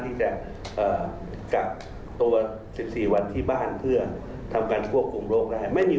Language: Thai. ที่จะกลับตัว๑๔วันที่บ้านเพื่อทำการควบคุมโลกได้ไม่สะดวก